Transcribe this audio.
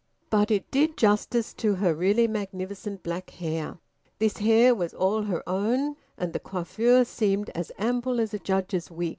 But it did justice to her really magnificent black hair. This hair was all her own, and the coiffure seemed as ample as a judge's wig.